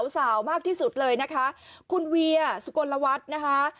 สาวมากที่สุดเลยนะคะคุณเวียสุกลวัฒน์นะคะ